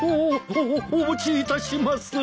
おお持ちいたします。